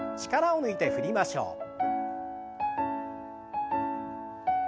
力を抜いて振りましょう。